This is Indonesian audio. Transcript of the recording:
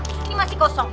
ini masih kosong